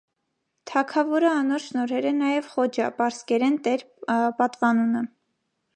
Թագաւորը անոր շնորհեր է նաեւ «խոջա» (պարսկերէն՝ տէր) պատուանունը։